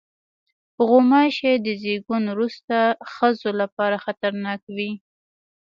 غوماشې د زیږون وروسته ښځو لپاره خطرناک وي.